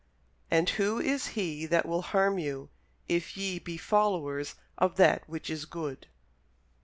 And who is he that will harm you, if ye be followers of that which is good?